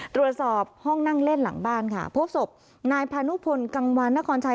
ตรวจสอบห้องนั่งเล่นหลังบ้านค่ะพบศพนายพานุพลกังวานนครชัย